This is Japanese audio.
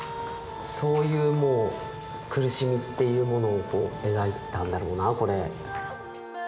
そういうもう苦しみっていうものを描いたんだろうなあこれ。